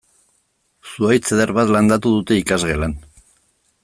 Zuhaitz eder bat landatu dute ikasgelan.